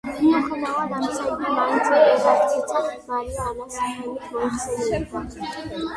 მიუხედავად ამისა, იგი მაინც იმპერატრიცა მარია ანას სახელით მოიხსენიებოდა.